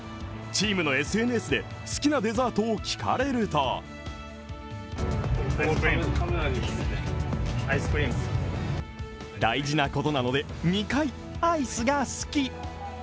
チームのＳＮＳで好きなデザートを聞かれると大事なことなので、２回、アイスが好き！